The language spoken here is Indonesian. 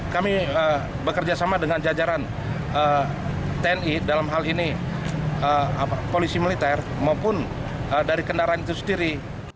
kami bekerja sama dengan jajaran tni dalam hal ini polisi militer maupun dari kendaraan itu sendiri